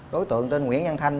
đối tượng tên nguyễn văn thành